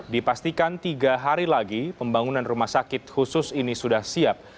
dipastikan tiga hari lagi pembangunan rumah sakit khusus ini sudah siap